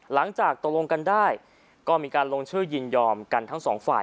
หลังจากตกลงกันได้ก็มีการลงชื่อยินยอมกันทั้งสองฝ่าย